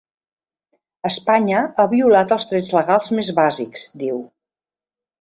Espanya ha violat els drets legals més bàsics, diu.